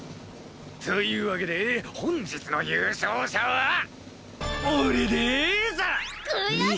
というわけで本日の優勝者は俺でーす！